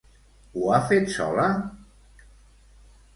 Ho ha fet sola?